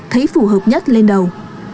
thấy phù hợp nhất lên đầu